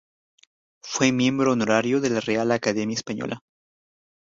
Fue miembro honorario de la Real Academia Española.